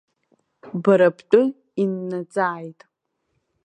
Бара бтәы иннаҵааит.